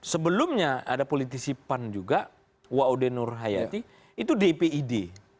sebelumnya ada politisi pan juga wa'uddinur hayati itu dpid